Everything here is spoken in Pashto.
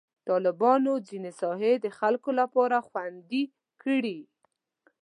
طالبانو ځینې ساحې د خلکو لپاره خوندي کړي.